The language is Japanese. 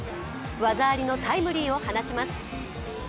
技ありのタイムリーを放ちます。